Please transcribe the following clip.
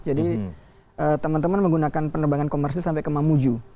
jadi teman teman menggunakan penerbangan komersil sampai ke mamuju